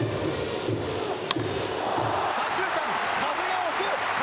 左中間、風が押す。